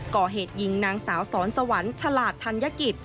ก่อเหตุยิงนางสาวสอนสวรรค์ฉลาดธัญกิจ